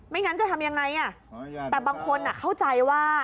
ไม่งั้นจะทำยังไงอ่ะแต่บางคนอ่ะเข้าใจว่า